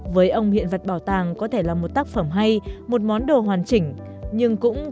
với ông hiện vật bảo tàng có thể là một tác phẩm hay một món đồ hoàn chỉnh nhưng cũngón có thể